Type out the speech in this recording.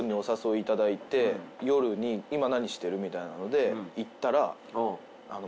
夜に「今何してる？」みたいなので行ったら。